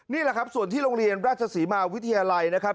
นี่แหละครับส่วนที่โรงเรียนราชศรีมาวิทยาลัยนะครับ